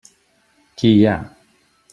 Qui hi ha?